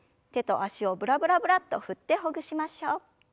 手と脚をブラブラブラッと振ってほぐしましょう。